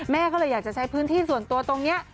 แม่ก็เลยอยากจะใช้พื้นที่ส่วนตัวตรงนี้